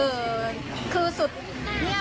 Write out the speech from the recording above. เอ่อคือสุดเนี่ยค่ะ